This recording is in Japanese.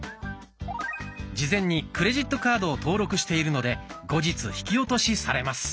事前にクレジットカードを登録しているので後日引き落としされます。